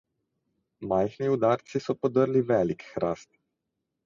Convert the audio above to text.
Majhni udarci so podrli velik hrast.